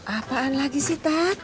apaan lagi sih tak